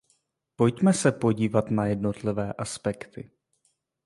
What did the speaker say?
Pojďme se podívat na jednotlivé aspekty.